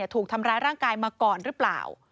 ถูกทำร้ายร่างกายมาก่อนหรือเปล่า